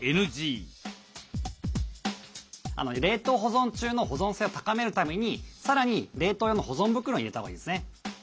冷凍保存中の保存性を高めるためにさらに冷凍用の保存袋に入れたほうがいいですね。